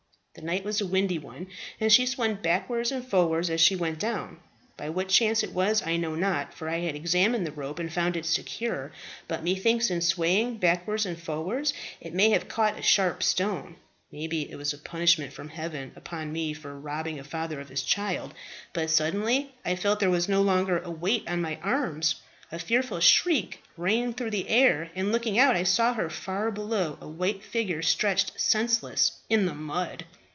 "The night was a windy one, and she swung backwards and forwards as she went down. By what chance it was I know not, for I had examined the rope and found it secure but methinks in swaying backwards and forwards it may have caught a sharp stone, maybe it was a punishment from Heaven upon me for robbing a father of his child but suddenly I felt there was no longer a weight on my arms. A fearful shriek rang through the air, and, looking out, I saw far below a white figure stretched senseless in the mud!